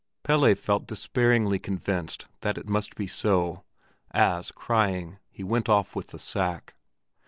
Pelle felt despairingly convinced that it must be so, as, crying, he went off with the sack.